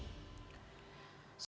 tim liputan cnn indonesia